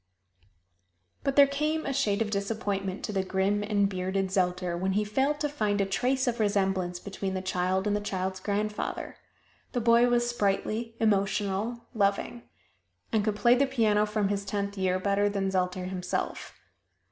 But there came a shade of disappointment to the grim and bearded Zelter when he failed to find a trace of resemblance between the child and the child's grandfather. The boy was sprightly, emotional, loving; and could play the piano from his tenth year better than Zelter himself.